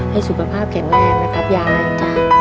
สุขภาพแข็งแรงนะครับยายจ๊ะ